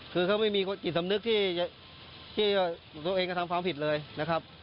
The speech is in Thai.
คือเขาไม่มีจิตสำนึกที่ตัวเองกระทำความผิดเลยนะครับ